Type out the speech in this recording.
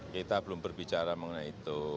kita belum berbicara mengenai itu